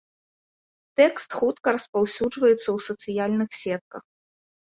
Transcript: Тэкст хутка распаўсюджваецца ў сацыяльных сетках.